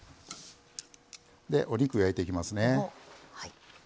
お肉焼いていきますね。